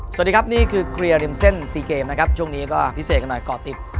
สวัสดีครับนี่คือเคลียร์ริมเส้น๔เกมนะครับช่วงนี้ก็พิเศษกันหน่อยก่อติด